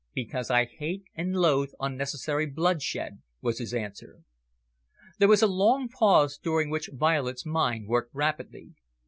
"Because I hate and loathe unnecessary bloodshed," was his answer. There was a long pause, during which Violet's mind worked rapidly.